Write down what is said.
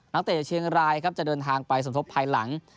น้องเตะเชียงรายจะเดินทางไปสมทบภายหลัง